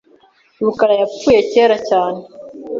rukara yapfuye kera cyane. .